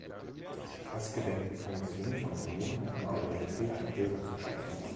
Was gedenkt die Kommission zu unternehmen, um die europäischen Bürger zu schützen?